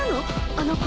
あの子。